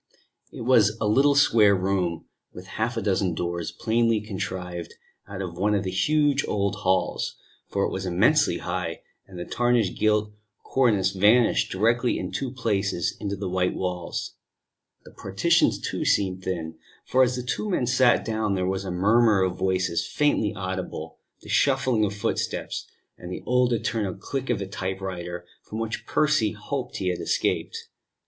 It was a little square room, with half a dozen doors, plainly contrived out of one of the huge old halls, for it was immensely high, and the tarnished gilt cornice vanished directly in two places into the white walls. The partitions, too, seemed thin; for as the two men sat down there was a murmur of voices faintly audible, the shuffling of footsteps, and the old eternal click of the typewriter from which Percy hoped he had escaped.